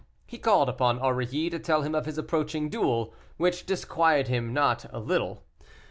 He called upon Aurilly to tell him of his approaching duel, which disquieted him not a little.